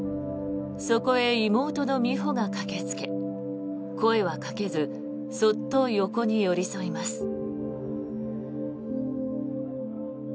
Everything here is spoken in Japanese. そこへ妹の美帆が駆けつけ声はかけずそっと横に寄り添います。